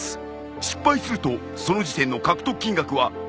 失敗するとその時点の獲得金額は半分となる。